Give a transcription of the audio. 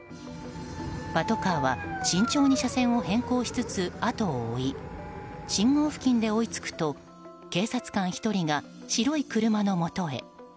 パトカーは慎重に車線を変更しつつ後を追い信号付近で追いつくと警察官１人が白い車のもとへ。